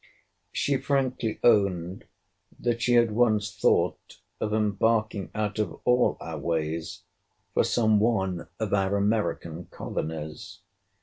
She frankly owned that she had once thought of embarking out of all our ways for some one of our American colonies.